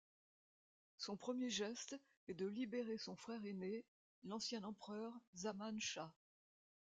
Son premier geste est de libérer son frère aîné, l'ancien empereur Zaman Shâh.